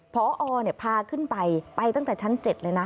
พอพาขึ้นไปไปตั้งแต่ชั้น๗เลยนะ